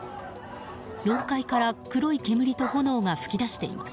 ４階から黒い煙と炎が噴き出しています。